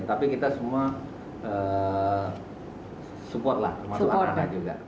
tapi kita semua support lah masuk akar juga